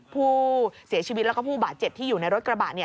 ผู้เสียชีวิตแล้วก็ผู้บาดเจ็บที่อยู่ในรถกระบะ